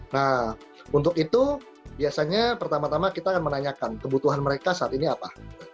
nah untuk itu biasanya pertama tama kita akan menanyakan kebutuhan mereka saat ini apa